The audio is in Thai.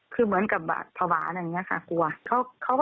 เพื่อนชาย